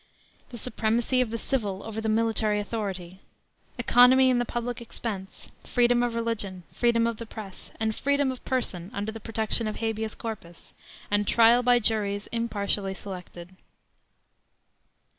the supremacy of the civil over the military authority; economy in the public expense; freedom of religion, freedom of the press, and freedom of person under the protection of the habeas corpus, and trial by juries impartially selected."